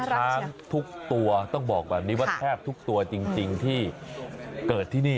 ช้างทุกตัวต้องบอกแบบนี้ว่าแทบทุกตัวจริงที่เกิดที่นี่